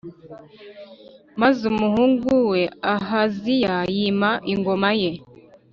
maze umuhungu we Ahaziya yima ingoma ye